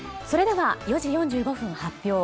それでは４時４５分発表